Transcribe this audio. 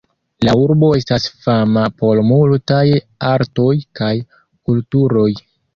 La urbo estas fama por multaj artoj kaj kulturoj.